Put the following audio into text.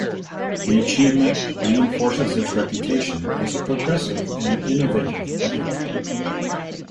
The achievement reinforces its reputation as a Progressive and Innovative bank.